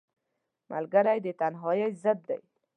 ملګری د تنهایۍ ضد دی